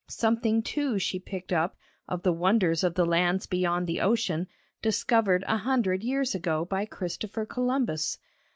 Something, too, she picked up of the wonders of the lands beyond the ocean, discovered a hundred years ago by Christopher Columbus.